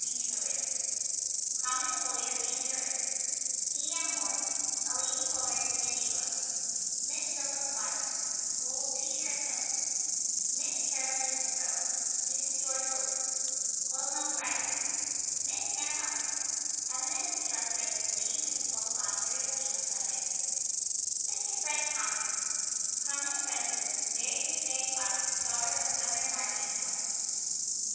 W. TAYLOR Prominent lawyer and jurist E. M. MORSE A leading lawyer in Canandaigua Miss ZILPHA CLARKE School teacher of note Miss CAROLINE CHESEBRO Well known writers Mrs. GEORGE WILLSON Miss HANNAH UPHAM Eminent instructress and lady principal of Ontario Female Seminary Mr. FRED THOMPSON Prominent resident, married Miss Mary Clark, daughter of Governor Myron H. Clark.